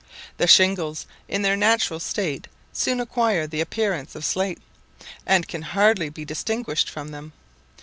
The shingles in their natural state soon acquire the appearance of slates, and can hardly be distinguished from them.